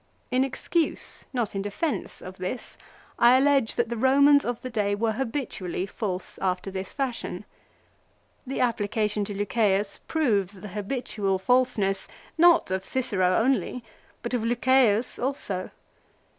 In excuse, not in defence, of this I allege that the Eomans of the day were habitually false after this fashion. The application to Lucceius proves the habitual falseness, not of Cicero only, but of Lucceius also.